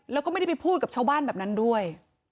แล้วก็ไม่ได้ไปพูดกับชาวบ้านด้วย